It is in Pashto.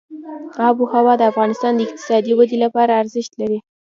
آب وهوا د افغانستان د اقتصادي ودې لپاره ارزښت لري.